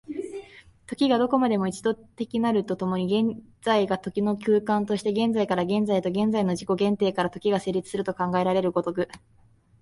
時がどこまでも一度的なると共に、現在が時の空間として、現在から現在へと、現在の自己限定から時が成立すると考えられる如く、